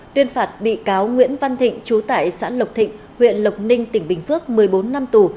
tuyên phạt bị cáo nguyễn văn thịnh chú tại xã lộc thịnh huyện lộc ninh tỉnh bình phước một mươi bốn năm tù